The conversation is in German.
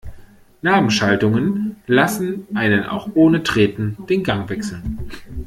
Nabenschaltungen lassen einen auch ohne Treten den Gang wechseln.